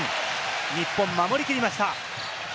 日本、守り切りました。